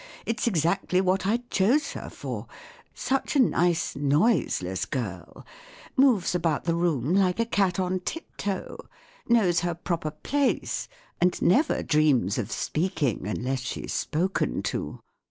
It's exactly what I chose her for* Such a nice, noiseless girl; moves about the room like a cat on tiptoe ; knows her proper place, and never dreams of speaking unless she's spoken to."